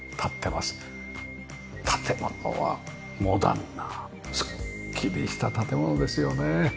建物はモダンなすっきりした建物ですよね。